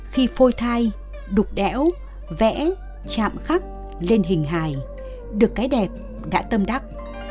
khi phôi thai đục đẽo vẽ chạm khắc lên hình hài được cái đẹp đã tâm đắc